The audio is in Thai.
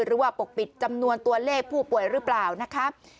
ปกปิดจำนวนตัวเลขผู้ป่วยหรือเปล่านะคะ